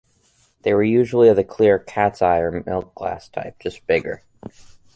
They were usually of the clear "cat's eye" or milk glass type, just bigger.